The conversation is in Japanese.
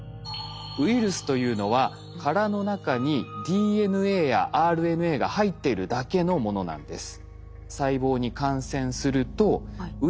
ウイルスというのは殻の中にＤＮＡやＲＮＡが入っているだけのものなんです。